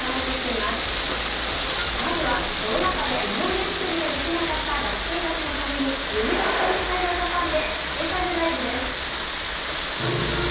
まずはコロナ禍で思い出作りができなかった学生たちのためにユニバーサル・スタジオ・ジャパンでスペシャルライブです。